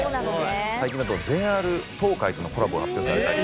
最近だとＪＲ東海とのコラボが発表されたり。